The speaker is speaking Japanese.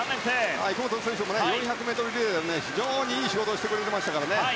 池本選手も４００ｍリレーで非常にいい仕事をしてくれましたからね。